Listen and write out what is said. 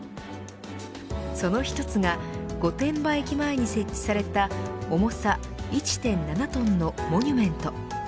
その一つが御殿場駅前に設置された重さ１．７トンのモニュメント。